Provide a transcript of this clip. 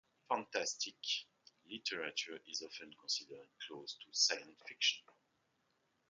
"Fantastique" literature is often considered close to science fiction.